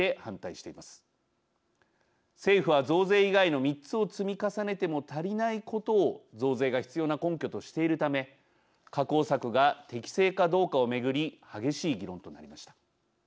政府は増税以外の３つを積み重ねても足りないことを増税が必要な根拠としているため確保策が適正かどうかを巡り激しい議論となりました。